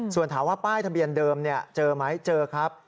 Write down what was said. ส่วนถามว่าป้ายทะเบียนเดิมเจอไหมเจอครับ